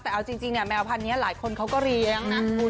แต่เอาจริงแมวพันธุ์เนี่ยหลายคนเขาก็เลี้ยงนะ